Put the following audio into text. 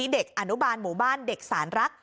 เด็กอนุบาลหมู่บ้านเด็กสารรัก